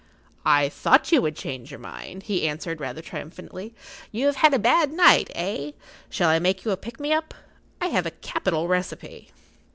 "I thought you would change your mind," he answered, rather triumphantly. "You have had a bad night, eh? Shall I make you a pick me up? I have a capital recipe."